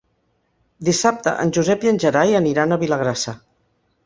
Dissabte en Josep i en Gerai aniran a Vilagrassa.